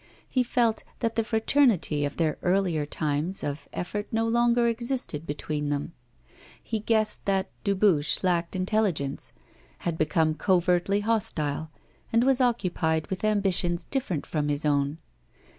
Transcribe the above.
He felt that the fraternity of the earlier times of effort no longer existed between them. He guessed that Dubuche lacked intelligence, had become covertly hostile, and was occupied with ambitions different from his own.